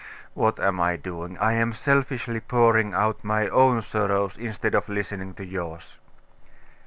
What am I doing? I am selfishly pouring out my own sorrows, instead of listening to yours.